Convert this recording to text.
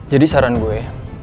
jadi saran gue